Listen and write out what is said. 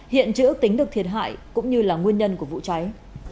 hiện chưa ước tính được thiệt hại cũng như là nguyên nhân của vụ cháy